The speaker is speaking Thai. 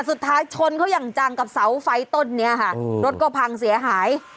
แต่สุดท้ายชนเขาอย่างจังกับสาวไฟต้นนี้อ่ะค่ะรถก็พังเสียหาย